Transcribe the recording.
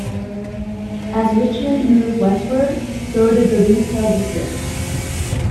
As Richmond moved westward, so did the retail district.